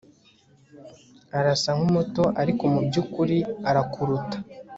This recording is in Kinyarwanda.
Arasa nkumuto ariko mubyukuri arakuruta